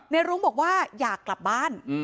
รุ้งบอกว่าอยากกลับบ้าน